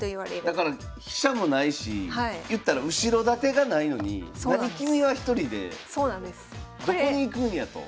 だから飛車もないし言ったら後ろ盾がないのになに君は１人でどこに行くんやと。